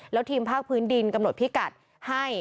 แล้วทีมภาคพื้นดินกำหนดพิกัดให้